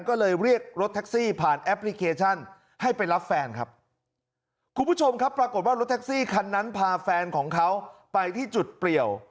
ก็เลยเรียกรถแท็กซี่ผ่านแอปพลิเคชันให้ไปรับแฟนครับคุณผู้ชมครับปรากฏว่ารถแท็กซี่คันนั้นพาแฟนของเขาไปที่จุดเปรียว